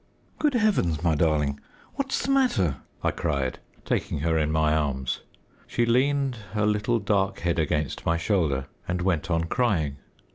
"Good heavens, my darling, what's the matter?" I cried, taking her in my arms. She leaned her little dark head against my shoulder and went on crying.